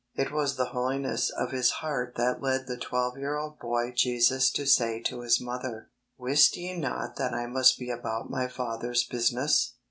It was the Holiness of His heart that led the twelve year old boy Jesus to say to His mother, 'Wist ye not that I must be about My Father's business?